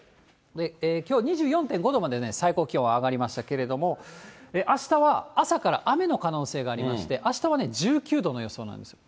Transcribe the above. きょう２４．５度まで最高気温は上がりましたけれども、あしたは朝から雨の可能性がありまして、あしたは１９度の予想なんです。